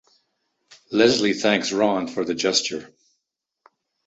Leslie thanks Ron for the gesture.